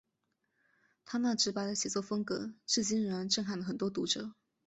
他那直白的写作风格至今仍然震撼了很多读者。